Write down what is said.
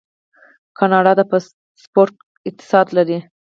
کاناډا د سپورت اقتصاد لري.